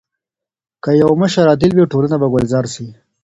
که يو مشر عادل وي ټولنه به ګلزار سي.